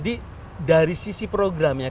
dari sisi programnya